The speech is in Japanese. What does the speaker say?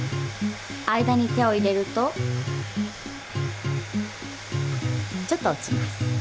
間に手を入れるとちょっと落ちます。